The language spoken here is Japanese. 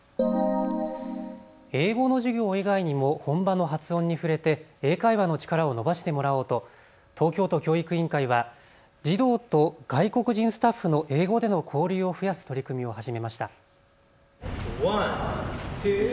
英語の授業以外にも本場の発音に触れて英会話の力を伸ばしてもらおうと東京都教育委員会は児童と外国人スタッフの英語での交流を増やす取り組みを始めました。